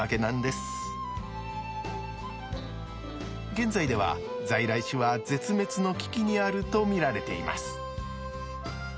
現在では在来種は絶滅の危機にあると見られています。